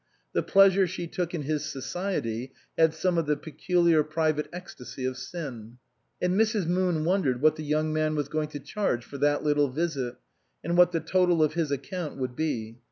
The pleasure she took in his society had some of the peculiar private ecstasy of sin. And Mrs. Moon wondered what the young man was going to charge for that little visit ; and what the total of his account would be.